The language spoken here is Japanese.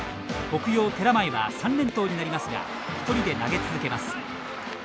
北陽・寺前は３連投になりますが一人で投げ続けます。